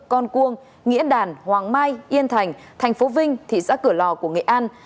con cuông nghĩa đàn hoàng mai yên thành thành phố vinh thị xã cửa lò của nghệ an